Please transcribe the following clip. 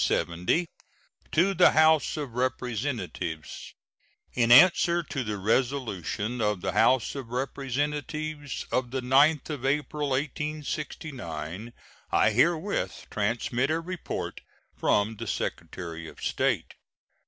To the House of Representatives: In answer to the resolution of the House of Representatives of the 9th of April, 1869, I herewith transmit a report from the Secretary of State.